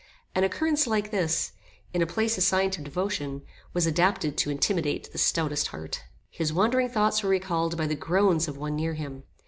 An occurrence like this, in a place assigned to devotion, was adapted to intimidate the stoutest heart. His wandering thoughts were recalled by the groans of one near him.